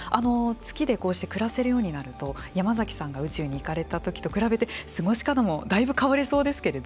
月でこうして暮らせるようになると山崎さんが宇宙に行かれたときと比べて過ごし方もだいぶ変わりそうですけれど